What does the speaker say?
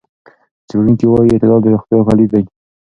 څېړونکي وايي اعتدال د روغتیا کلید دی.